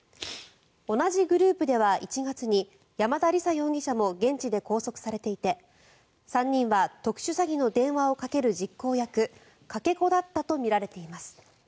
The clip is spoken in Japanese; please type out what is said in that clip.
同じグループでは１月に山田李沙容疑者も現地で拘束されていて、３人は特殊詐欺の電話をかける実行役かけ子だったとみられています。